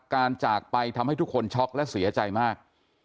จากไปทำให้ทุกคนช็อกและเสียใจมาก